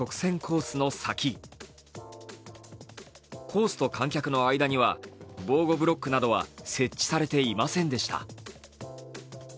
コースと観客の間には防護ブロックなどは設置されていませんでした。